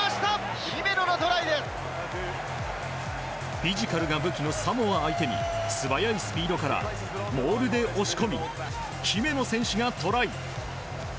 フィジカルが武器のサモア相手に素早いスピードからモールで押し込み姫野選手がトライ。